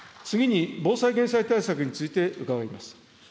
次に、防災・減災対策について伺います。